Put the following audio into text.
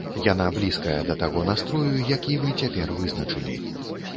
Яна блізкая да таго настрою, які вы цяпер вызначылі.